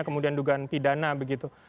kemudian dugaan pidana begitu